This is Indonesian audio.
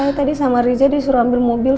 kalau tadi sama riza disuruh ambil mobil